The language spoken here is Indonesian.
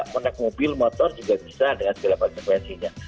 mau naik mobil motor juga bisa dengan segala konsekuensinya